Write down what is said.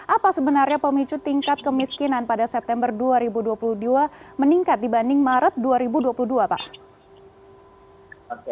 apa sebenarnya pemicu tingkat kemiskinan pada september dua ribu dua puluh dua meningkat dibanding maret dua ribu dua puluh dua pak